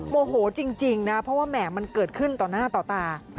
โมโหจริงนะเพราะว่าแหม่มันเกิดขึ้นต่อหน้าต่อตา